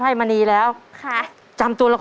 เอาแล้วนี่ถ้วย